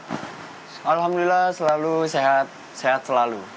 alhamdulillah selalu sehat sehat selalu